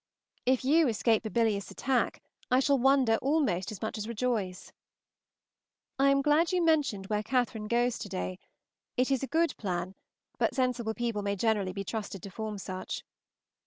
If you escape a bilious attack, I shall wonder almost as much as rejoice. I am glad you mentioned where Catherine goes to day; it is a good plan, but sensible people may generally be trusted to form such.